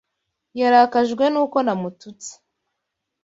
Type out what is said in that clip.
Yarakajwe nuko namututse.